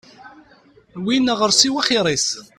Win aɣersiw axir-is.